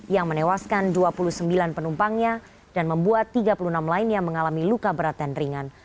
yang menewaskan dua puluh sembilan penumpangnya dan membuat tiga puluh enam lainnya mengalami luka berat dan ringan